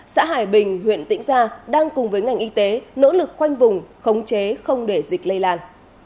xã hải bình huyện tĩnh gia đang cùng với ngành y tế nỗ lực khoanh vùng khống chế không để dịch lây lan